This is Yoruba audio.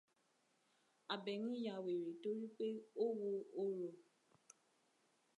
Àbẹ̀ní ya wèrè toripé ó wo orò.